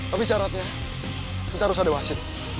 tapi syaratnya kita harus ada wasit